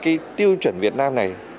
các tiêu chuẩn việt nam này